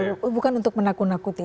bukan untuk menakut nakuti